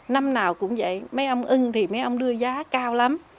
năm nào cũng vậy mấy ông ưng thì mấy ông đưa giá cao lắm